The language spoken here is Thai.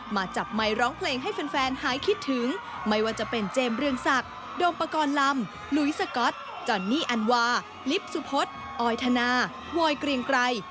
จับไมค์ร้องเพลงให้แฟนหายคิดถึงไม่ว่าจะเป็นเจมส์เรืองศักดิ์โดมปกรณ์ลำหลุยสก๊อตจอนนี่อันวาลิฟต์สุพศออยธนาวอยเกรียงไกร